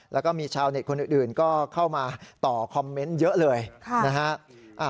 แล้วก็มีชาวเน็ตคนอื่นก็เข้ามาต่อคอมเมนต์เยอะเลยนะฮะ